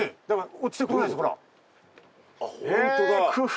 落ちてこないっすほら。